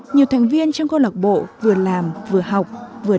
nhiều thành viên trong cô lạc bộ vừa làm vừa học vừa tập